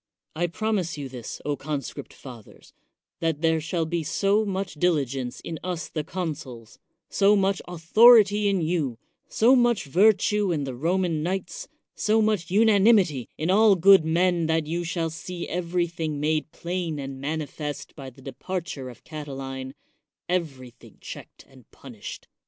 I promise you, this, conscript fathers, that there shall be so much diligence in us the consuls, so much author ity in you, so much virtue in the Roman knights, so much unanimity in all good men that you shall see everything made plain and manifest by the departure of Catiline, — everything checked and punished.